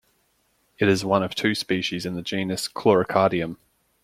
It is one of two species in the genus "Chlorocardium".